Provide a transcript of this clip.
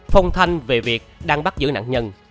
phong thanh về việc đang bắt giữ nạn nhân